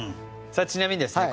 さあちなみにですね